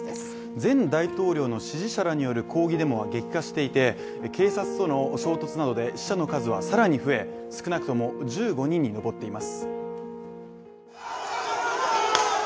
前大統領の支持者らによる抗議デモは激化していて警察との衝突などで死者の数は更に増え、少なくとも１５人に上っています。